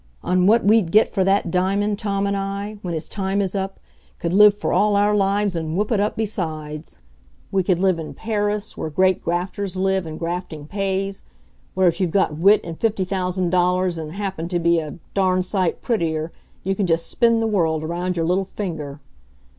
On what we'd get for that diamond, Tom and I when his time is up could live for all our lives and whoop it up besides. We could live in Paris, where great grafters live and grafting pays where, if you've got wit and fifty thousand dollars, and happen to be a "darn sight prettier," you can just spin the world around your little finger!